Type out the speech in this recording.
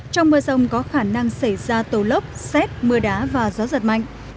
trong mưa rông có khả năng xảy ra tổ lốc xét mưa đá và gió giật mạnh